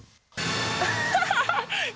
アハハハ！